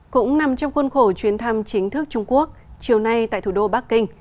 cũng nằm trong khuôn khổ chuyến thăm chính thức trung quốc chiều nay tại thủ đô bắc kinh